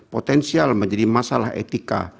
potensial menjadi masalah etika